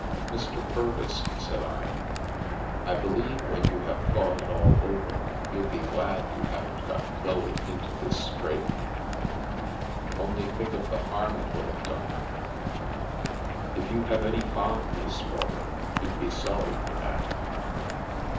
" Mr. Purvis," said I, " I believe, when you have thought it all over, you'll be glad you haven't got Chloe into this scrape. Only think of the harm it would have done her. If you have any fondness for her you'd be sorry for that.